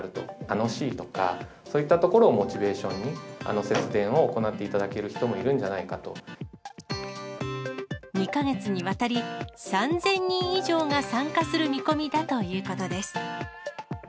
楽しいとか、そういったところをモチベーションに、節電を行っていただける人２か月にわたり、３０００人以上が参加する見込みだということです。